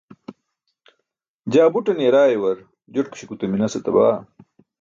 jaa buṭan yaraayuar joṭkuśi gute minas etaba